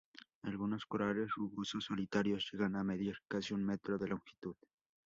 Algunos corales rugosos solitarios llegan a medir casi un metro de longitud.